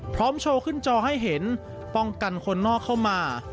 โชว์ขึ้นจอให้เห็นป้องกันคนนอกเข้ามา